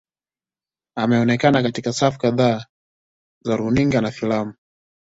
Ameonekana katika safu kadhaa za runinga na filamu.